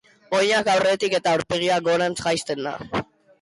Oinak aurretik eta aurpegia gorantz jaisten da.